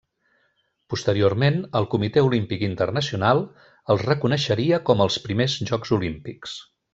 Posteriorment, el Comitè Olímpic Internacional els reconeixeria com els Primers Jocs Olímpics.